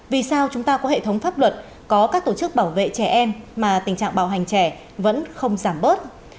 vì sao chúng ta có hệ thống pháp luật có các tổ chức bảo vệ trẻ em mà tình trạng bạo hành trẻ vẫn không giảm bớt